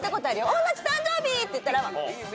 おんなじ誕生日って言ったら。